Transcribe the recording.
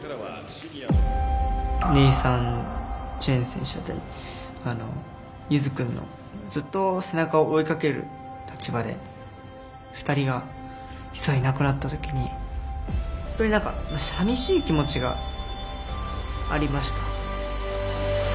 ネイサン・チェン選手やゆづ君のずっと背中を追いかける立場で２人がいざいなくなった時に本当にさみしい気持ちがありました。